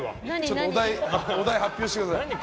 お題発表してください。